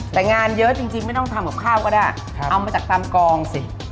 แต่งานเยอะจริงไม่ต้องทำกับข้าวก็ได้เอามาจากตามกองสิ